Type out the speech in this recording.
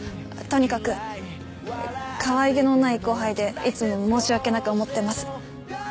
とにかくかわいげのない後輩でいつも申し訳なく思ってます。